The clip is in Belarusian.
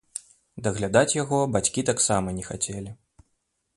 Даглядаць яго бацькі таксама не хацелі.